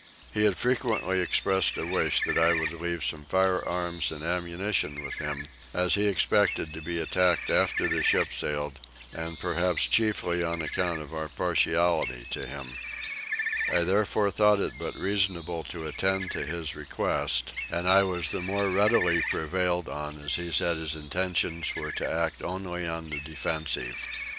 He had frequently expressed a wish that I would leave some firearms and ammunition with him, as he expected to be attacked after the ship sailed, and perhaps chiefly on account of our partiality to him: I therefore thought it but reasonable to attend to his request, and I was the more readily prevailed on as he said his intentions were to act only on the defensive.